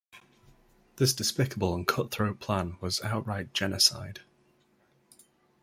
This despicable and cutthroat plan was outright genocide.